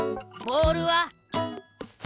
ボールは！？